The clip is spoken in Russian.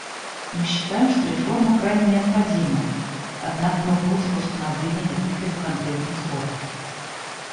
Мы считаем, что реформа крайне необходима, однако мы против установления каких-либо конкретных сроков.